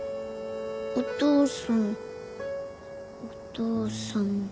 お父さんお父さん。